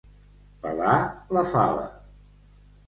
Pelar la fava.